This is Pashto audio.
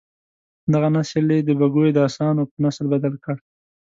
دغه نسل یې د بګیو د اسانو په نسل بدل کړ.